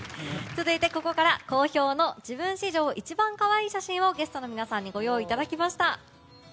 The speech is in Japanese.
続いて、ここから好評の自分史上一番かわいい写真をゲストの皆さんにご用意いただきました。